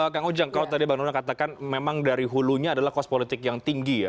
kang ujang kalau tadi bang donal katakan memang dari hulunya adalah kos politik yang tinggi ya